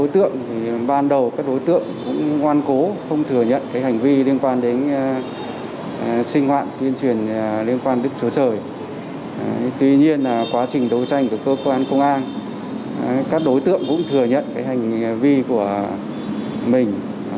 tuy nhiên quá trình đấu tranh của cơ quan công an các đối tượng cũng thừa nhận hành vi của mình